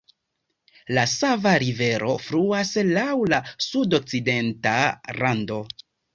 La Sava Rivero fluas laŭ la sudokcidenta rando.